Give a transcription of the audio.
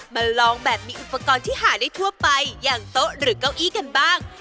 มาลองแบบมีอุปกรณ์ที่หาได้ทั่วไปอย่างโต๊ะหรือเก้าอี้กันบ้าง